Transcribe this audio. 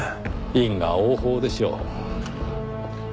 因果応報でしょう。